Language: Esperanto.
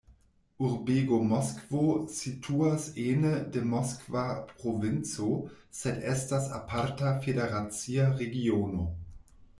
Urbego Moskvo situas ene de Moskva provinco, sed estas aparta federacia regiono.